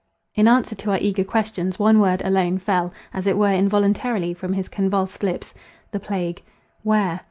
In answer to our eager questions, one word alone fell, as it were involuntarily, from his convulsed lips: The Plague.—"Where?"